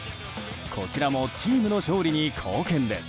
こちらもチームの勝利に貢献です。